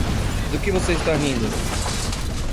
Do que você está rindo?